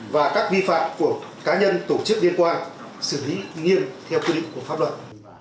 và các đơn vị liên quan